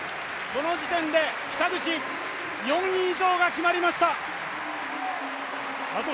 この時点で、北口、４位以上が決まりました。